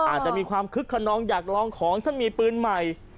อาจจะมีความคึกขนองอยากลองของฉันมีปืนใหม่